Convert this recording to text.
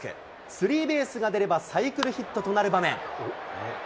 スリーベースが出ればサイクルヒットとなる場面。